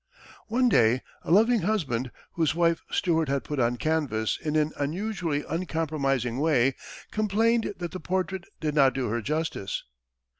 One day, a loving husband, whose wife Stuart had put on canvas in an unusually uncompromising way, complained that the portrait did not do her justice.